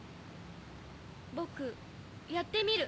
ぼくやってみる。